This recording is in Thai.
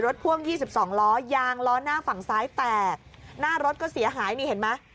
พ่วง๒๒ล้อยางล้อหน้าฝั่งซ้ายแตกหน้ารถก็เสียหายนี่เห็นไหม